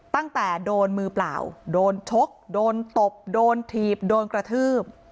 ตั้งแต่โดนมือเปล่าโดนชกโดนตบโดนถีบโดนกระทืบ